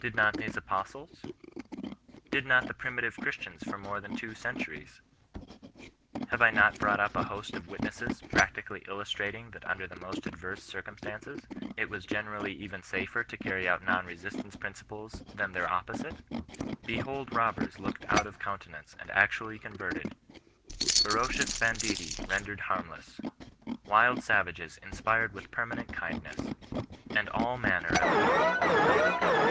i)idnot his apostles 1 Bid not the primitive Christians for more than two centuries 1 Have I not brought up a host of witnesses, practically illustrating that under the most adverse circumstances it was generally even safer to carry out non resistance principles than their opposite 1 Be hold robbers looked out of countenance, and actually con verted; ferocious banditti rendered harmless; wild sa vages inspired with permanent kindness ; and all manner of evil overcome with good